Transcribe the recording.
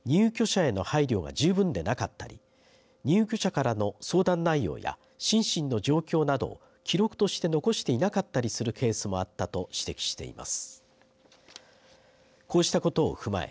一方で入居者への配慮が十分でなかったり入居者からの相談内容や心身の状況などを記録として残していなかったりするケースもあったと指摘しています。